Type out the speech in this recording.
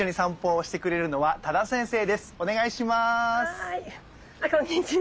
はいこんにちは。